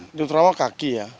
untuk terawal kaki ya